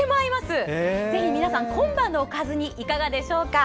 ぜひ皆さん、今晩のおかずにいかがでしょうか。